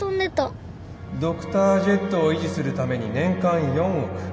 ドクタージェットを維持するために年間４億